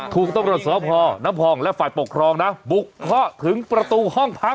ถูกต้องการสอบพ่อนัพพรองและฝ่ายปกครองนะบุคเข้าถึงประตูห้องพัก